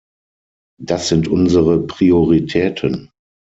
Das sind unsere Prioritäten.